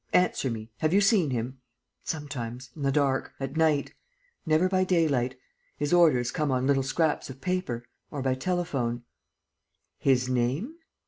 Answer me. Have you seen him?" "Sometimes, in the dark ... at night. Never by daylight. His orders come on little scraps of paper ... or by telephone." "His name?"